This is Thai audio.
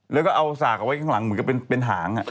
แล้วก็เอาสักเอาไว้ทางหลังคือเป็นหาง